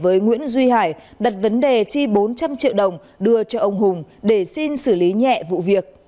với nguyễn duy hải đặt vấn đề chi bốn trăm linh triệu đồng đưa cho ông hùng để xin xử lý nhẹ vụ việc